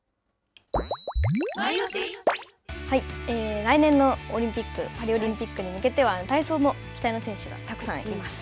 来年のオリンピック、パリオリンピックに向けては体操も期待の選手がたくさんいます。